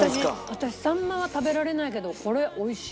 私さんまは食べられないけどこれ美味しい。